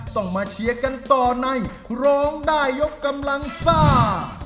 ต้องมาเชียร์กันต่อในร้องได้ยกกำลังซ่า